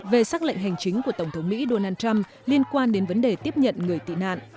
về xác lệnh hành chính của tổng thống mỹ donald trump liên quan đến vấn đề tiếp nhận người tị nạn